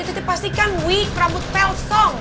itu dipastikan wig rambut pelsong